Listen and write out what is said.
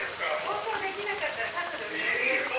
放送できなかったらカットでお願いします。